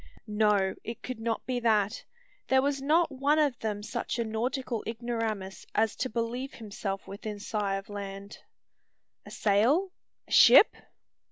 No: it could not be that. There was not one of them such a nautical ignoramus as to believe himself within sigh of land. "A sail? a ship?"